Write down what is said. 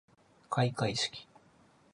開会式